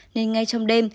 nên ngay trong đêm